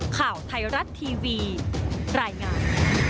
ข่าวไทยรัฐทีวีรายงาน